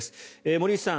森内さん